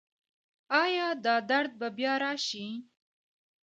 ایا دا درد به بیا راشي؟